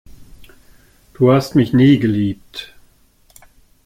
Du hast mich nie geliebt.